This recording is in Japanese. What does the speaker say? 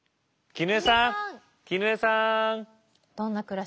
絹枝さん？